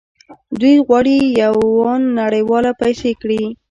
دوی غواړي یوان نړیواله پیسې کړي.